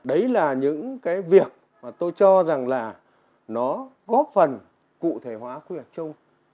đấy là những cái việc mà tôi cho rằng là nó góp phần cụ thể hóa quy hoạch chung